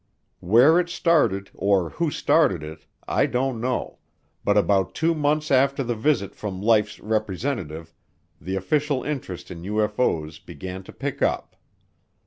Where it started or who started it I don't know, but about two months after the visit from Life's representative the official interest in UFO's began to pick up.